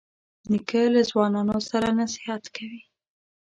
نیکه له ځوانانو سره نصیحت کوي.